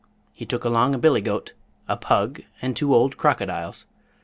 He took along a billie goat, A pug and two old crocodiles.